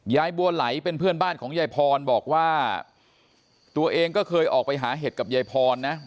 ยายบัวไหลเป็นเพื่อนบ้านของยายพรบอกว่าตัวเองก็เคยออกไปหาเห็ดกับยายพรนะ